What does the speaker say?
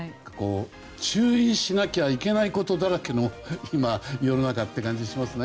注意しなきゃいけないことだらけの世の中って感じがしますね。